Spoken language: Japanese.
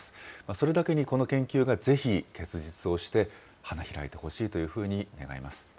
それだけにこの研究がぜひ結実をして、花開いてほしいというふうに願います。